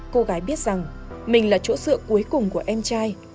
cô gái biết rằng mình là chỗ dựa cuối cùng của em trai